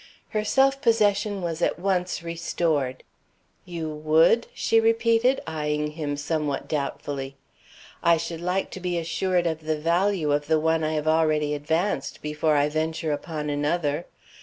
Her self possession was at once restored. "You would?" she repeated, eying him somewhat doubtfully. "I should like to be assured of the value of the one I have already advanced, before I venture upon another.